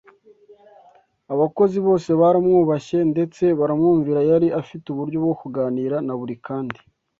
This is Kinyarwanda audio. Abakozi bose baramwubashye ndetse baramwumvira. Yari afite uburyo bwo kuganira na buri kandi